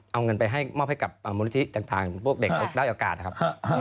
เอาเงินมาจะมอบให้กับมหรือที่ทางพวกเด็กแล้วอากาศนะครับ